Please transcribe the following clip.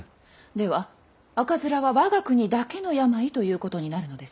では赤面は我が国だけの病ということになるのですか？